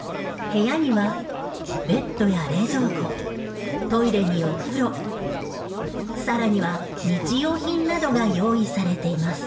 部屋にはベッドや冷蔵庫トイレにお風呂さらには日用品などが用意されています。